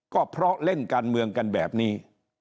ก็เพราะเล่นการเมืองกันแบบนี้